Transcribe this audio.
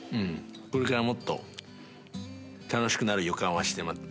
これからもっと楽しくなる予感はしてま。